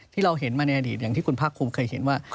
ที่เราเห็นมาในอดีตอย่างที่คุณภาคภูมิเคยเห็นว่า